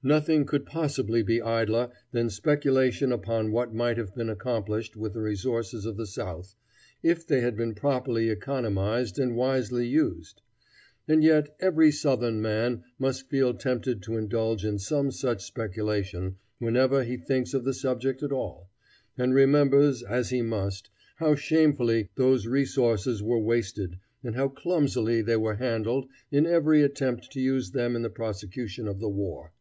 Nothing could possibly be idler than speculation upon what might have been accomplished with the resources of the South if they had been properly economized and wisely used. And yet every Southern man must feel tempted to indulge in some such speculation whenever he thinks of the subject at all, and remembers, as he must, how shamefully those resources were wasted and how clumsily they were handled in every attempt to use them in the prosecution of the war.